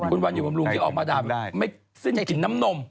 คุณวันอยู่บำรุงที่ออกมาด่าไม่สิ้นจะกินน้ำนม